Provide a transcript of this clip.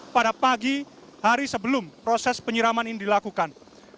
pada pagi hari sebelum proses penyiraman ini dilakukan